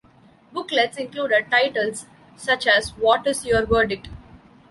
Booklets included titles such as What is Your Verdict?